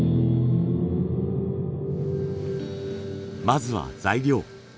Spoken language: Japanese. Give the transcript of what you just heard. まずは材料。